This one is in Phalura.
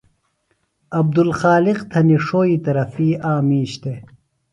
عبدلخالق تھنیۡ ݜوئی طرفی آک مِیش دےۡ